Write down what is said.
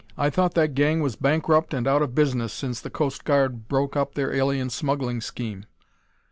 I thought that gang was bankrupt and out of business, since the Coast Guard broke up their alien smuggling scheme."